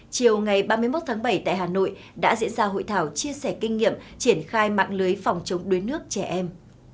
chiều ngày ba mươi một tháng bảy tại hà nội đã diễn ra hội thảo chia sẻ kinh nghiệm triển khai mạng lưới phòng chống đuối nước trẻ em